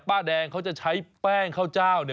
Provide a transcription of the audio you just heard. ป้าแดงเขาจะใช้แป้งข้าวเจ้า